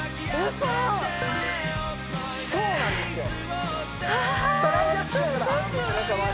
嘘そうなんですよさあ